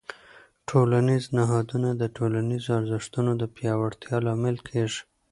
ټولنیز نهادونه د ټولنیزو ارزښتونو د پیاوړتیا لامل کېږي.